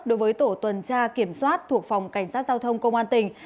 đối với tổ tuần tra kiểm soát thuộc phòng cảnh sát giao thông công an tỉnh